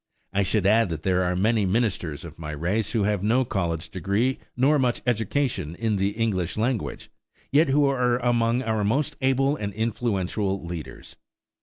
I should add that there are many ministers of my race who have no college degree nor much education in the English language, yet who are among our most able and influential leaders.